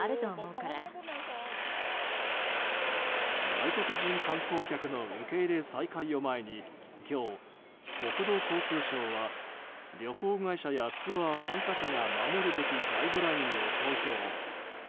外国人観光客の受け入れ再開を前に今日、国土交通省は旅行会社やツアー参加者が守るべきガイドラインを公表。